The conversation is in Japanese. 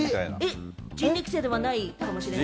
人力舎ではないかもしれない。